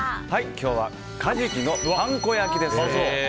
今日はカジキのパン粉焼きです。